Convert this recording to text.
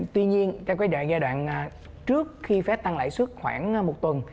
tuy nhiên trong giai đoạn trước khi fed tăng lãi suất khoảng một tuần